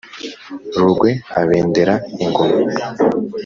rugwe abendera ingoma.